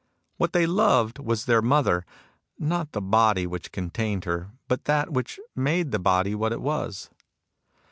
What they loved was their mother ; not the body which contained her, but that which made the body what it was.